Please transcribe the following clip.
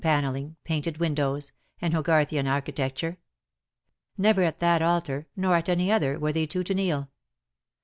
41 panelliDg^ painted windows^ and Hogarthian archi tecture. Never at that altar, nor at any other, were they two to kneel.